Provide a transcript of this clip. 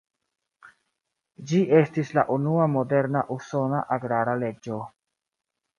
Ĝi estis la unua moderna usona agrara leĝo.